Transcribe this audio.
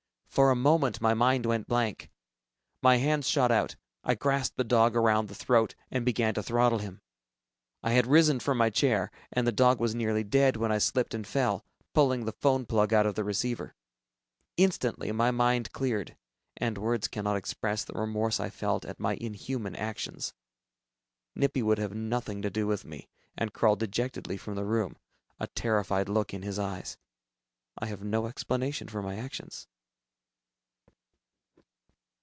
For a moment my mind went blank. My hands shot out. I grasped the dog around the throat and began to throttle him. I had risen from my chair, and the dog was nearly dead, when I slipped and fell, pulling the phone plug out of the receiver. Instantly, my mind cleared, and words cannot express the remorse I felt at my inhuman actions. Nippy would have nothing to do with me, and crawled dejectedly from the room, a terrified look in his eyes. I have no explanation for my actions.